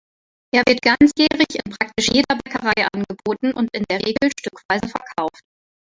Er wird ganzjährig in praktisch jeder Bäckerei angeboten und in der Regel stückweise verkauft.